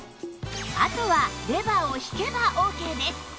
あとはレバーを引けばオーケーです